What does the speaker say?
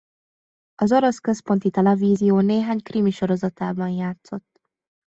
Az orosz központi televízió néhány krimi sorozatában játszott.